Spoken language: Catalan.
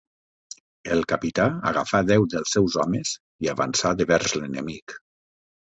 El capità agafà deu dels seus homes, i avançà devers l'enemic.